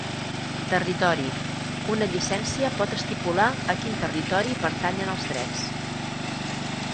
Territori: una llicència pot estipular a quin territori pertanyen els drets.